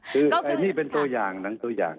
คือไอ้นี่เป็นตัวอย่างหนังตัวอย่าง